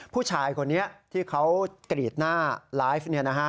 ผู้ชายคนนี้ที่เขากรีดหน้าไลฟ์